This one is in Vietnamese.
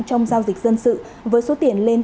trong giao dịch dân sự với số tiền lên